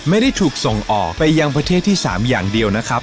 ไม่ได้ถูกส่งออกไปยังประเทศที่๓อย่างเดียวนะครับ